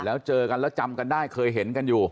แล้วเจอกันแล้วจำกันได้เคยเห็นกันอยู่